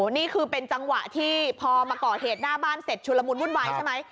นี่คือเป็นจังหวะที่พอมาก่อเหตุหน้าบ้านเสร็จชุลมุนวุ่นวายใช่ไหม